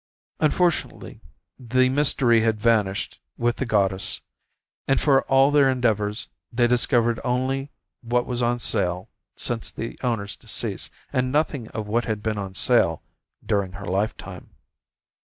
Unfortunately the mystery had vanished with the goddess, and, for all their endeavours, they discovered only what was on sale since the owner's decease, and nothing of what had been on sale during her lifetime.